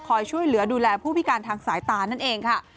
ช่วยเหลือดูแลผู้พิการทางสายตานั่นเองค่ะ